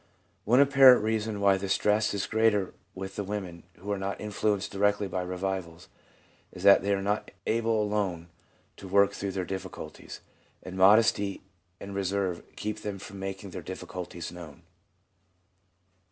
One apparent reason why the stress is greater with the women who are not influ enced directly by revivals is that they are not able alone to work through their difficulties, and modesty and reserve keep them from making their difficulties known.